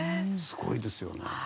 すごいですよね。